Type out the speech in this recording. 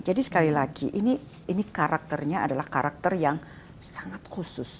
jadi sekali lagi ini karakternya adalah karakter yang sangat khusus